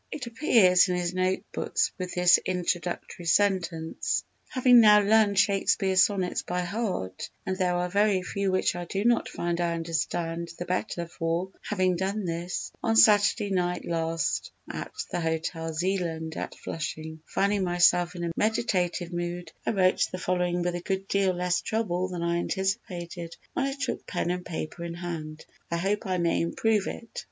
It appears in his notebooks with this introductory sentence: "_Having now learned Shakespeare's Sonnets by heart—and there are very few which I do not find I understand the better for having done this—on Saturday night last at the Hotel Zeeland at Flushing_, finding myself in a meditative mood, I wrote the following with a good deal less trouble than I anticipated when I took pen and paper in hand. I hope I may improve it."